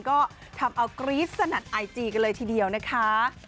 ก็ทำเอากรี๊ดสนัดไอจีกันเลยทีเดียวนะคะ